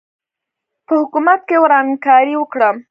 په حکومت کې ورانکاري وکړم.